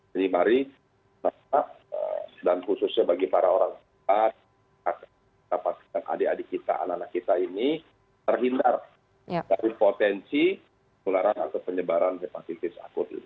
jadi mari kita dan khususnya bagi para orang kita kita dan adik adik kita anak anak kita ini terhindar dari potensi penyebaran hepatitis akut ini